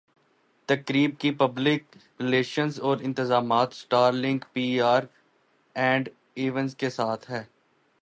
تقریب کی پبلک ریلشنزاورانتظامات Star Link P R and events کے تھے